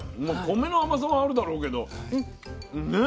米の甘さはあるだろうけどね。